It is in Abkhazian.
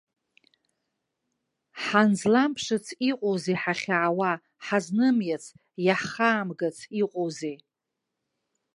Ҳназламԥшыц иҟоузеи ҳахьаауа, ҳазнымиац, иаҳхаамгац иҟоузеи!